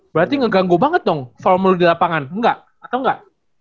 berarti ngeganggu banget dong formula di lapangan enggak atau enggak